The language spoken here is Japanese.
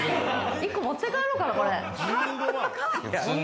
１個持って帰ろうかな、これ。